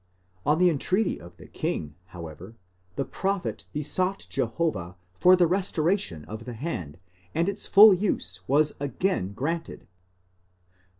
On the entreaty of the king, however, the prophet besought Jehovah for the re storation of the hand, and its full use was again granted.!?